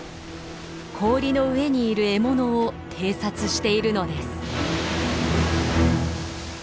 氷の上にいる獲物を偵察しているのです。